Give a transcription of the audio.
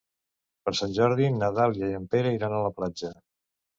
Per Sant Jordi na Dàlia i en Pere iran a la platja.